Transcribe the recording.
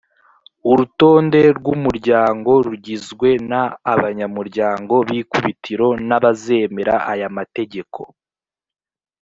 urutonde rw umuryango rugizwe n abanyamuryango b’ikubitiro n’abazemera aya mategeko